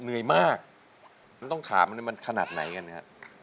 เหนื่อยมากต้องถามมันขนาดไหนกันครับ